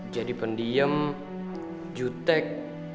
jadi pendiem jutek